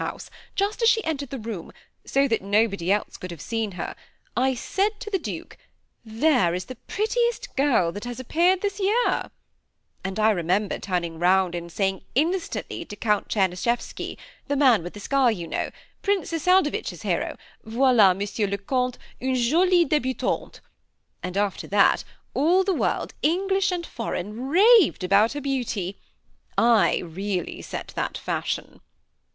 House, just as she entered the room, so that nobody else could have seen her, I said to the Duke, * There is the prettiest girl that has appeared this year;' and I remember turning round and instantty saying to Count Czer nischefl^d, the man with a scar, yon know, — Princess Saldovitch's hero^ — ^Yoila, M. le Comte, une jolie debutante ;' and after that, all the world, English and foreign, raved about her beauty. I really set that fashion."